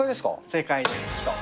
正解です。